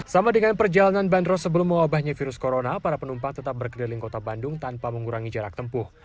sama dengan perjalanan bandros sebelum mewabahnya virus corona para penumpang tetap berkeliling kota bandung tanpa mengurangi jarak tempuh